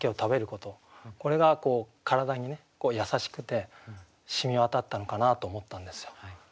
これが体に優しくてしみわたったのかなと思ったんですよ。